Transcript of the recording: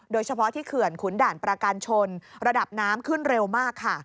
โดยเฉพาะที่เขื่อนขุนด่านประการชนระดับน้ำขึ้นเร็วมากค่ะ